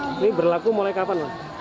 ini berlaku mulai kapan mas